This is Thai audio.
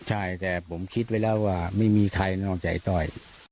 ใช่แต่ผมคิดไว้แล้วว่าไม่มีใครนอกใจต้อย